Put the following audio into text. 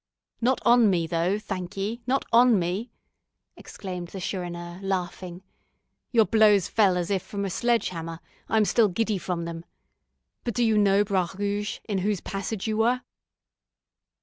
"Not on me, though, thank ye, not on me," exclaimed the Chourineur, laughing; "your blows fell as if from a sledge hammer; I am still giddy from them. But do you know Bras Rouge, in whose passage you were?"